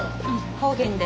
方言で。